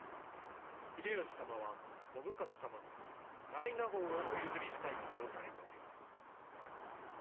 秀吉様は信雄様に大納言をお譲りしたいと申されております。